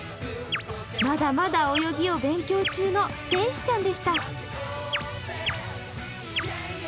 まだまだ泳ぎを勉強中の天使ちゃんでした。